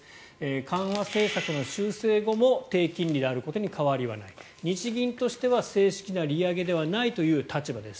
緩和政策の修正後も低金利であることに変わりはない日銀としては正式な利上げではないという立場です